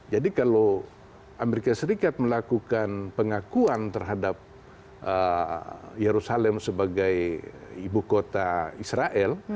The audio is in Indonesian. jadi kalau amerika serikat melakukan pengakuan terhadap yerusalem sebagai ibu kota israel